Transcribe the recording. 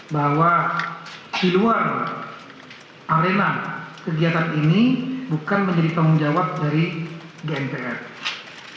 bahwa di luar arena kegiatan ini bukan menjadi tanggung jawab dari gnpf